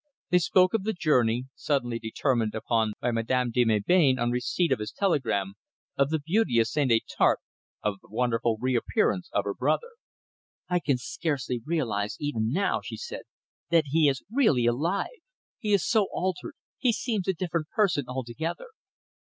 They spoke of the journey, suddenly determined upon by Madame de Melbain on receipt of his telegram, of the beauty of St. Étarpe, of the wonderful reappearance of her brother. "I can scarcely realize even now," she said, "that he is really alive. He is so altered. He seems a different person altogether."